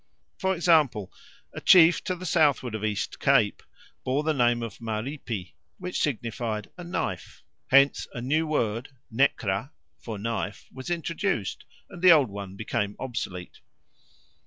For example, a chief of the southward of East Cape bore the name of Maripi, which signified a knife, hence a new word (nekra) for knife was introduced, and the old one became obsolete.